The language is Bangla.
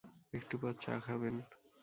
একটু পর পর চা খান।